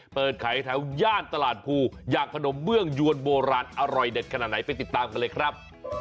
เปิดขายแถวย่านตลาดภูอย่างขนมเบื้องยวนโบราณอร่อยเด็ดขนาดไหนไปติดตามกันเลยครับ